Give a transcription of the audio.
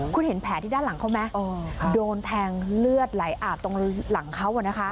คุณเห็นแผลที่ด้านหลังเขาไหมโดนแทงเลือดไหลอาบตรงหลังเขา